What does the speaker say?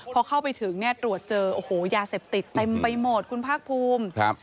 พอเข้าไปถึงเนี่ยตรวจเจอโอ้โหยาเสพติดเต็มไปหมดคุณภาคภูมิครับ